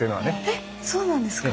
えそうなんですか？